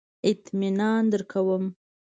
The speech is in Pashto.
اطمینان درکوم.